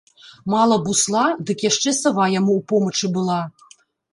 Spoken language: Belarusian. Мала бусла, дык яшчэ сава яму ў помачы была.